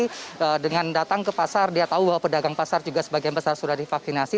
termasuk dia pun juga nanti dengan datang ke pasar dia tahu bahwa pedagang pasar juga sebagian besar sudah divaksinasi